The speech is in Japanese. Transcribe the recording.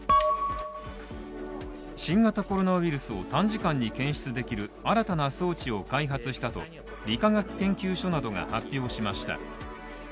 新型コロナウイルスを短時間に検出できる新たな装置を開発したと理化学研究所などが発表しました